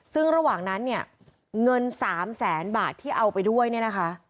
ซึ่งระหว่างนั้นเนี่ยเงิน๓แสนบาทที่เอาไปด้วยเนี่ยนะคะ